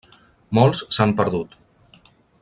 Molts s'han perdut.